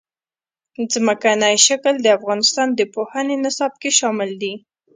ځمکنی شکل د افغانستان د پوهنې نصاب کې شامل دي.